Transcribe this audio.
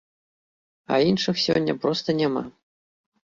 А іншых сёння проста няма!